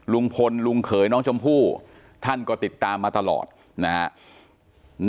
ลุงพลลุงเขยน้องชมพู่ท่านก็ติดตามมาตลอดนะครับ